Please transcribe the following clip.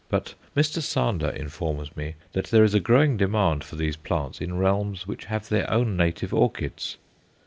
But Mr. Sander informs me that there is a growing demand for these plants in realms which have their own native orchids.